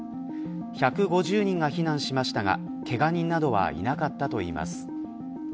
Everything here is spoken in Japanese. １５０人が避難しましたがけが人などはいなかったといいます。